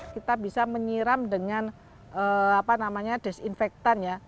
kita bisa menyiram dengan apa namanya disinfektan ya